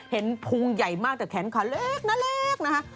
เห็นภูมิใหญ่มากแต่แขนขาเล็กนะเล็กนะฮะ